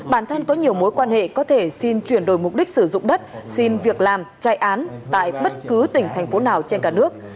bản thân có nhiều mối quan hệ có thể xin chuyển đổi mục đích sử dụng đất xin việc làm chạy án tại bất cứ tỉnh thành phố nào trên cả nước